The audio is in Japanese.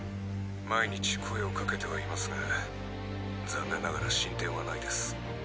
毎日声を掛けてはいますが残念ながら進展はないです。